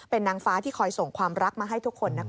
เป็นนางฟ้าที่คอยส่งความรักมาให้ทุกคน